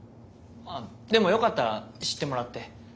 でもよかった知ってもらって。